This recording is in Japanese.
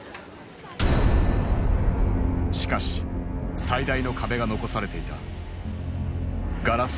しかし最大の壁が残されていた。